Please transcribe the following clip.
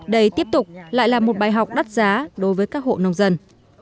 đây tiếp tục lại là một bài học đắt giá đối với các hộ nông dân